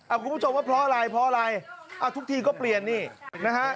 คุณผู้ชมว่าเพราะอะไรเพราะอะไรอ่ะทุกทีก็เปลี่ยนนี่นะฮะ